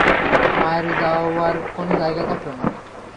মায়ের যাওয়ার কোনো জায়গা থাকল না।